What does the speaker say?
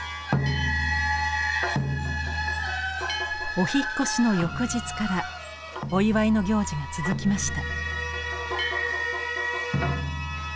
お引っ越しの翌日からお祝いの行事が続きました。